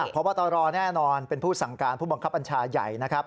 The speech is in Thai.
พบตรแน่นอนเป็นผู้สั่งการผู้บังคับบัญชาใหญ่นะครับ